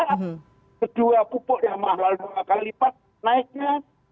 kedua pupuk yang mahal dua kali lipat naiknya